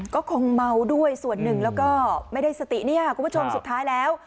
ก็คงเมาด้วยส่วนหนึ่งแล้วก็ไม่ได้สติเนี่ยคุณผู้ชมสุดท้ายแล้ว